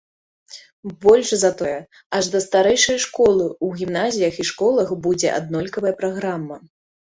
Больш за тое, аж да старэйшай школы ў гімназіях і школах будзе аднолькавая праграма.